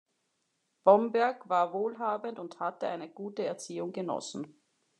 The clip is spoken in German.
Bomberg war wohlhabend und hatte eine gute Erziehung genossen.